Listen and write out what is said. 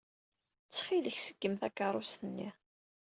Ttxil-k, ṣeggem takeṛṛust-nni.